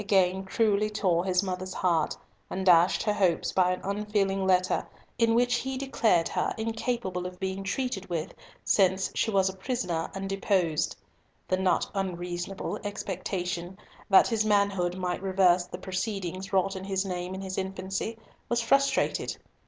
again cruelly tore his mother's heart and dashed her hopes by an unfeeling letter, in which he declared her incapable of being treated with, since she was a prisoner and deposed. The not unreasonable expectation, that his manhood might reverse the proceedings wrought in his name in his infancy, was frustrated.